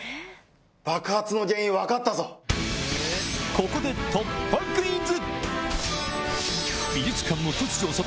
ここで突破クイズ！